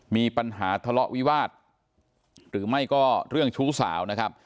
มีปัญหาทะเลาะวิวาสหรือไม่ก็เรื่องชู้สาวนะครับ